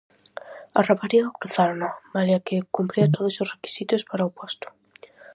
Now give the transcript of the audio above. Á rapariga cruzárona, malia que cumpría todos os requisitos para o posto.